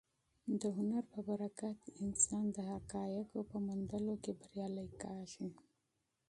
د هنر په برکت انسان د حقایقو په موندلو کې بریالی کېږي.